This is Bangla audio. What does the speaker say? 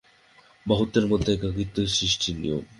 বহুত্বের মধ্যে একত্বই সৃষ্টির নিয়ম।